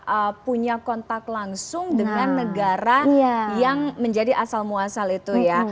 mereka punya kontak langsung dengan negara yang menjadi asal muasal itu ya